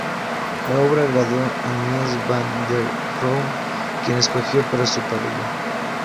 La obra agradó a Mies van der Rohe, quien la escogió para su pabellón.